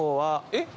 えっ？